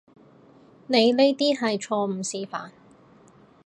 你呢啲係錯誤示範